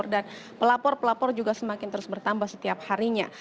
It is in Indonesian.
dan pelapor pelapor juga semakin terus bertambah setiap harinya